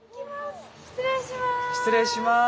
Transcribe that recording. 失礼します！